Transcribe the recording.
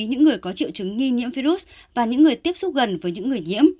những người có triệu chứng nghi nhiễm virus và những người tiếp xúc gần với những người nhiễm